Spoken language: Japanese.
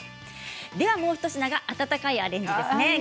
もう一品が温かいアレンジですね。